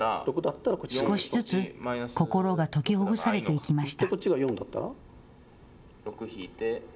少しずつ心が解きほぐされていきました。